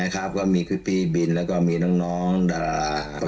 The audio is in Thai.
ก็มีพี่บินแล้วก็มีน้องด่า